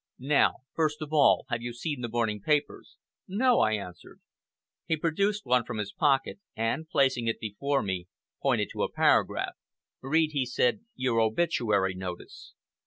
Now, first of all, have you seen the morning papers?" "No!" I answered. He produced one from his pocket, and, placing it before me, pointed to a paragraph. "Read," he said, "your obituary notice."